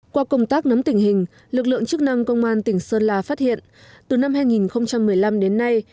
qua công tác nắm tình hình lực lượng chức năng công an tỉnh sơn la phát hiện từ năm hai nghìn một mươi năm đến nay